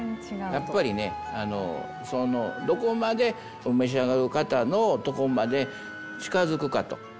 やっぱりねどこまで召し上がる方のとこまで近づくかと。